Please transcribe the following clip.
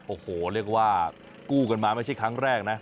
โอ้โหเรียกว่ากู้กันมาไม่ใช่ครั้งแรกนะ